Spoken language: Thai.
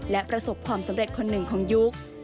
และประสบความสำเร็จคนหนึ่งของยุค